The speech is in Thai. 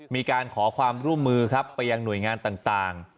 มีการขอความร่วมมือครับไปยังหน่วยงานต่าง